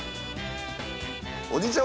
おじいちゃん